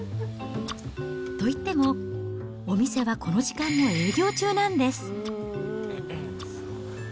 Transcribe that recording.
といっても、お店はこの時間も営業中なんです。